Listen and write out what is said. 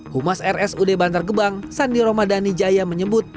humas rsud bantar gebang sandi romadhani jaya menyebut